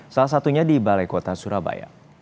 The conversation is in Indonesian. salah satunya di balai kota surabaya